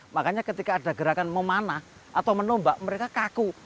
makanya ketika ada gerakan memanah atau menombak mereka kaku